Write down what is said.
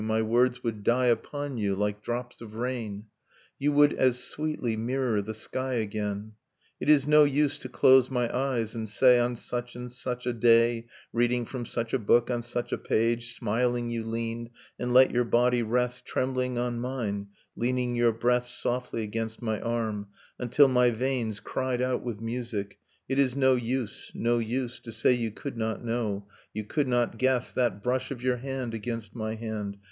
My words would die upon you, like drops of rain, You would as sweetly mirror the sky again ... It is no use to close my eyes, and say 'On such and such a day Reading from such a book, on such a page, Smiling, you leaned, and let your body rest Trembling on mine, leaning your breast Softly against my arm; until my veins Cried out with music ; it is no use, no use, To say you could not know, you could not guess That brush of your hand against my hand.